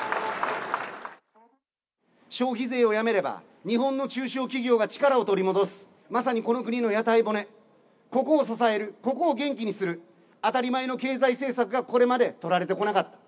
消費税をやめれば、日本の中小企業が力を取り戻す、まさにこの国の屋台骨、ここを支える、ここを元気にする、当たり前の経済政策がこれまで取られてこなかった。